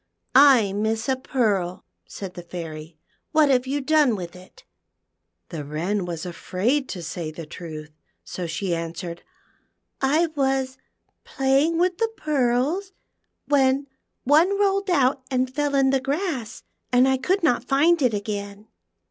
"I miss a pearl," said the Fairy; "what have you done with it ?" The Wren was afraid to say the truth, so she answered, I was playing with the pearls, when one rolled out and fell in the grass, and I could not find it again."